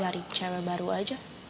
dari cewek baru aja